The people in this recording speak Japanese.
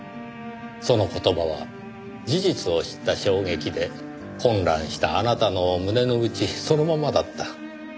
その言葉は事実を知った衝撃で混乱したあなたの胸の内そのままだった。